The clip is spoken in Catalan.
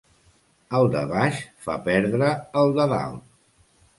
El de baix fa perdre el de dalt.